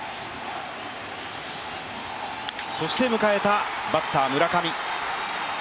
そして迎えたバッター・村上。